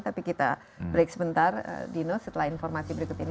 tapi kita break sebentar dino setelah informasi berikut ini